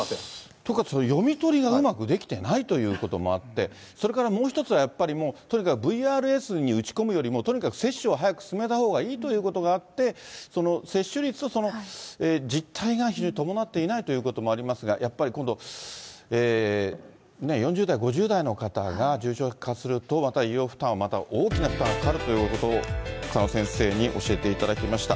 というか、読み取りがうまくできてないということもあって、それからもう一つは、やっぱりもう、ＶＲＳに打ち込むよりも、とにかく接種を早く進めたほうがいいということがあって、接種率と実態が非常に伴っていないということもありますが、やっぱり今度、４０代、５０代の方が重症化すると、また医療負担は大きな負担がかかるということ、鹿野先生に教えていただきました。